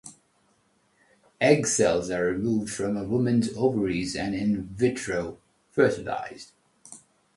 Egg cells are removed from a woman's ovaries, and in vitro fertilised.